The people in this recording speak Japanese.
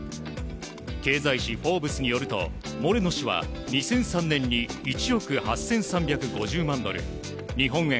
経済誌「フォーブス」によるとモレノ氏は２００３年に１億８３５０万ドル日本円